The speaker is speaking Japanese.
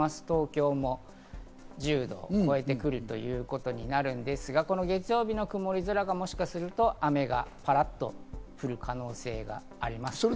東京も１０度を超えてくるということになるんですが、月曜日の曇り空がもしかすると雨がパラっと降る可能性があります。